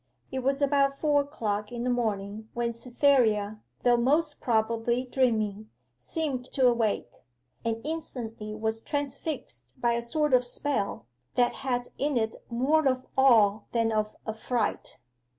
It was about four o'clock in the morning when Cytherea, though most probably dreaming, seemed to awake and instantly was transfixed by a sort of spell, that had in it more of awe than of affright.